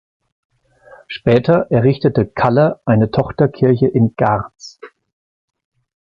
Später errichtete Kaller eine Tochterkirche in Garz.